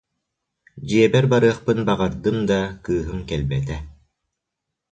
Дьиэбэр барыахпын баҕардым да, кыыһым кэлбэтэ